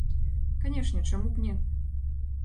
Канешне, чаму б не?